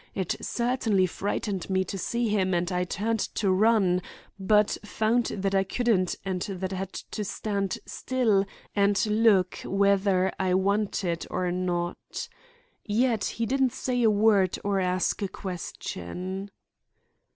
It really frightened me to see him and I turned to run, but found that I couldn't and that I had to stand still and look whether I wanted to or not. Yet he didn't say a word or ask a question."